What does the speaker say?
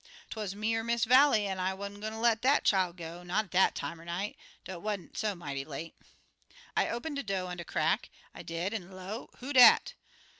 'Twuz me er Miss Vallie, an' I wan't gwine ter let dat chile go, not dat time er night, dough 'twa'n't so mighty late. "I open de do' on de crack, I did, an' low, 'Who dat?'